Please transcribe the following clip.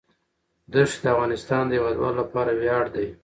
دښتې د افغانستان د هیوادوالو لپاره ویاړ دی.